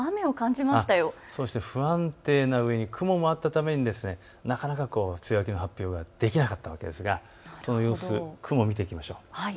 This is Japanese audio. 不安定なうえに雲もあったためになかなか梅雨明けの発表ができなかったわけですがその様子、雲を見ていきましょう。